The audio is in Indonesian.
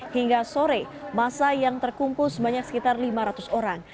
hingga sore masa yang terkumpul sebanyak sekitar lima ratus orang